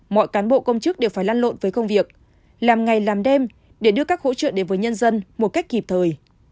mọi cán bộ công chức đều phải lăn lộn với công việc làm ngày làm đêm để đưa các hỗ trợ đến với nhân dân một cách kịp thời